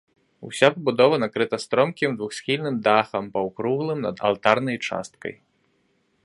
Уся пабудова накрыта стромкім двухсхільным дахам, паўкруглым над алтарнай часткай.